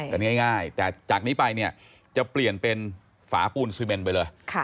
กันง่ายแต่จากนี้ไปเนี่ยจะเปลี่ยนเป็นฝาปูนซีเมนไปเลย